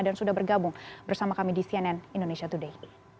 dan sudah bergabung bersama kami di cnn indonesia today